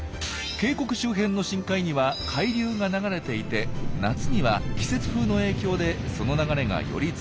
渓谷周辺の深海には海流が流れていて夏には季節風の影響でその流れがより強くなります。